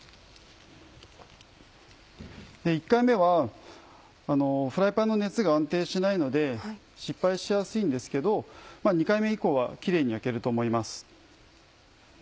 １回目はフライパンの熱が安定しないので失敗しやすいんですけど２回目以降はきれいに焼けると思います。